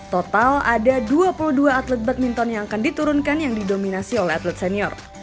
total ada dua puluh dua atlet badminton yang akan diturunkan yang didominasi oleh atlet senior